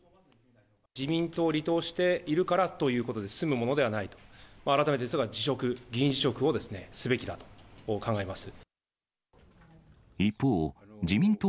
自民党を離党しているからということで、済むものではない、改めてですが、辞職、議員辞職をすべきだと考えます。